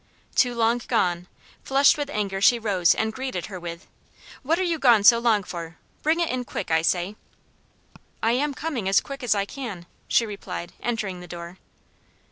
Too long gone. Flushed with anger, she rose and greeted her with, "What are you gone so long for? Bring it in quick, I say." "I am coming as quick as I can," she replied, entering the door.